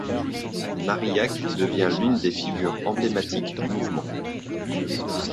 Marillac devient l'une des figures emblématiques du mouvement.